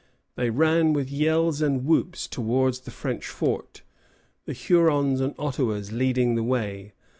They ran with yells and whoops towards the French fort, the Hurons and Ottawas leading the way.